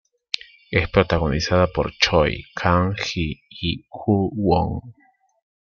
Es protagonizada por Choi Kang Hee y Joo Won.